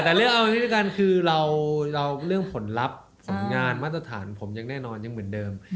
แต่เรื่องเอาอย่างนี้ด้วยกันคือเราเรื่องผลลัพธ์ผลงานมาตรฐานผมยังแน่นอนยังเหมือนเดิม